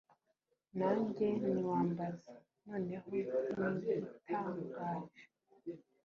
Nange niwambaza noneho nigitangaje